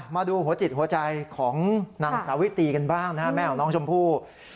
มาดูหัวจิตหัวใจของนางสาวิตีกันบ้างนะฮะแม่ของน้องชมพู่